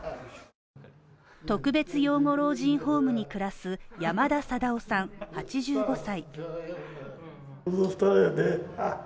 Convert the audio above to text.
特別養護老人ホームに暮らす山田定男さん８５歳。